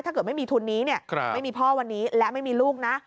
ถ้าเกิดไม่มีทุนนี้เนี่ยไม่มีพ่อวันนี้และไม่มีลูกนะ